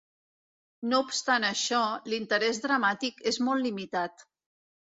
No obstant això, l'interès dramàtic és molt limitat.